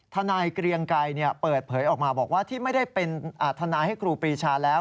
นายเกรียงไกรเปิดเผยออกมาบอกว่าที่ไม่ได้เป็นทนายให้ครูปรีชาแล้ว